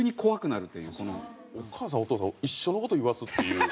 お母さんお父さん一緒の事言わすっていう。